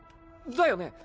だよね。